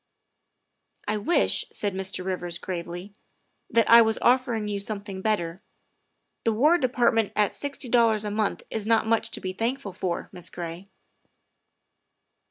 '''' I wish, '' said Mr. Rivers gravely, '' that I was offer ing you something better. The War Department at sixty dollars a month is not much to be thankful for, Miss Gray."